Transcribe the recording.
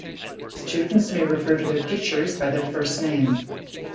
Students may refer to their teachers by their first name.